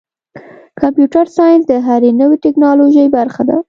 کمپیوټر ساینس د هرې نوې ټکنالوژۍ برخه ده.